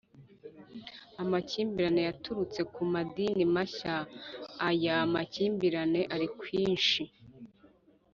Amakimbirane yaturutse ku madini mashya Aya makimbirane ari kwinshi.